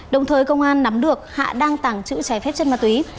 đồng thời công an nắm được hạ đang tàng trữ trái phép chất ma túy